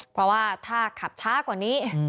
เพราะว่าถ้าขับช้ากว่านี้